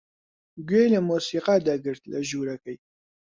گوێی لە مۆسیقا دەگرت لە ژوورەکەی.